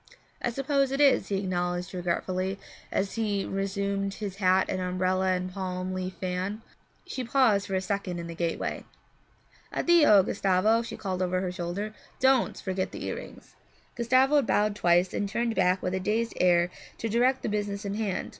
'I suppose it is,' he acknowledged regretfully, as he resumed his hat and umbrella and palm leaf fan. She paused for a second in the gateway. 'Addio, Gustavo,' she called over her shoulder. 'Don't forget the earrings.' Gustavo bowed twice and turned back with a dazed air to direct the business in hand.